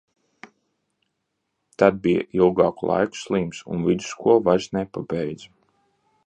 Tad bij ilgāku laiku slims un vidusskolu vairs nepabeidza.